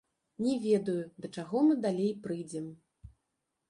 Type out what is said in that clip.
Не ведаю, да чаго мы далей прыйдзем.